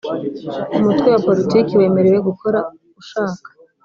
Umutwe wa Politiki wemerewe gukora ushaka